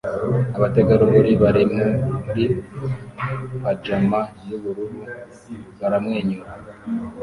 abategarugori bari muri pajama yubururu baramwenyura